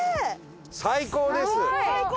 最高です！